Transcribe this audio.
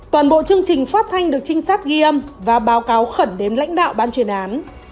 toàn bộ chương trình phát thanh được trinh sát ghi âm và báo cáo khẩn đến lãnh đạo ban chuyên án